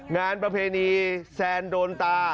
งานประเพณีแซนโดนตา